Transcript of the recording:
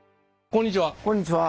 こんにちは。